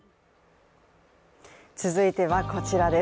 続いてはこちらです。